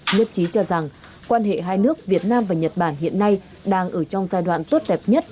nhất trí cho rằng quan hệ hai nước việt nam và nhật bản hiện nay đang ở trong giai đoạn tốt đẹp nhất